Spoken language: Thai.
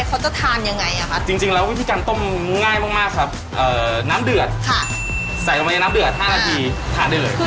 ก็คือเหมือนทำบัวรอยครั้งที่บ้านได้อะ